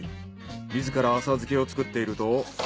自ら浅漬けを作っていると。